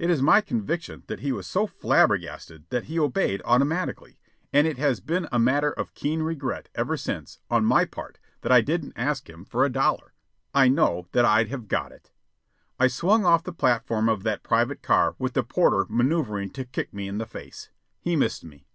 It is my conviction that he was so flabbergasted that he obeyed automatically, and it has been a matter of keen regret ever since, on my part, that I didn't ask him for a dollar. I know that I'd have got it. I swung off the platform of that private car with the porter manoeuvring to kick me in the face. He missed me.